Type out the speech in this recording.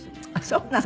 そうなの？